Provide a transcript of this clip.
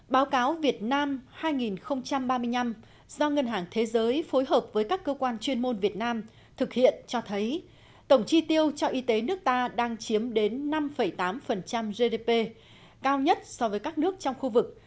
báo cáo việt nam hai nghìn ba mươi năm do ngân hàng thế giới phối hợp với các cơ quan chuyên môn việt nam thực hiện cho thấy tổng chi tiêu cho y tế nước ta đang chiếm đến năm tám gdp cao nhất so với các nước trong khu vực